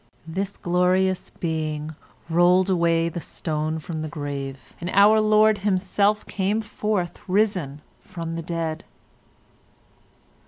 This glorious being rolled away the stone from the grave, and our Lord himself came forth, risen from the dead.